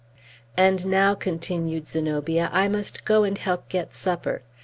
"And now," continued Zenobia, "I must go and help get supper.